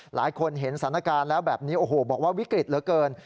หลายคนเห็นสถานการณ์แล้วแบบนี้โอ้โหบอกว่าวิกฤตเหลือเกิน